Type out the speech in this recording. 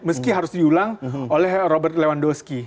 meski harus diulang oleh robert leondoski